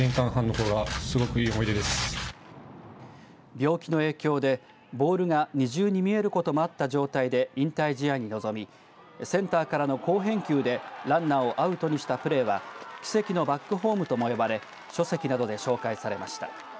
病気の影響でボールが二重に見えることもあった状態で引退試合に臨みセンターからの好返球でランナーをアウトにしたプレーは奇跡のバックホームとも呼ばれ書籍などで紹介されました。